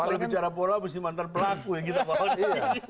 kalau bicara pola mesti mantan pelaku yang kita pahami